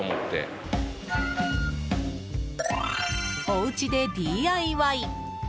おうちでＤＩＹ！